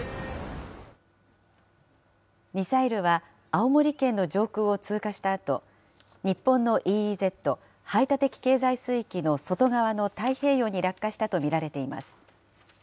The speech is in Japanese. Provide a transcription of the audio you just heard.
ミサイルは青森県の上空を通過したあと、日本のＥＥＺ・排他的経済水域の外側の太平洋に落下したと見られています。